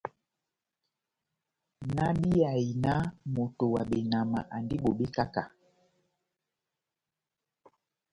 Náhábíyahi náh moto wa benama andi bobé kahá-kahá.